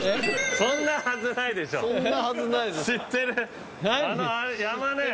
そんなはずないですよ